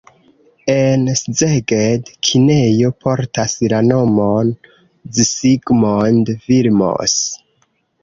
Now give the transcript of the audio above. En Szeged kinejo portas la nomon Zsigmond Vilmos.